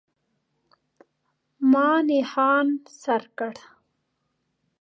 ما نښان سر کړ.